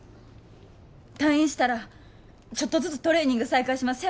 退院したらちょっとずつトレーニング再開します。